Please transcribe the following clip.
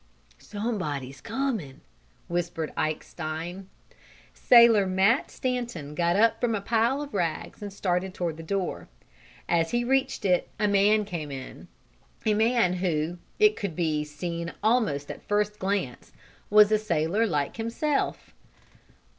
"Somebody's comin'!" whispered Ike Stein. Sailor Matt Stanton got up from a pile of rags and started toward the door. As he reached it a man came in; a man who, it could be seen almost at first glance, was a sailor like himself.